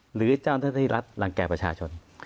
หรือเจ้าหน้าที่รัฐรังแก่ประชาชน